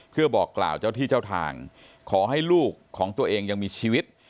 เพื่อบอกกล่าวเจ้าที่เจ้าทางขอให้ลูกของตัวเองยังมีชีวิต